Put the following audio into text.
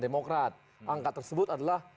demokrat angka tersebut adalah